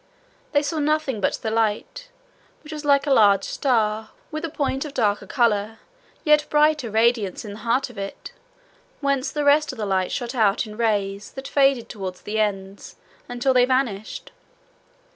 They saw nothing but the light, which was like a large star, with a point of darker colour yet brighter radiance in the heart of it, whence the rest of the light shot out in rays that faded toward the ends until they vanished.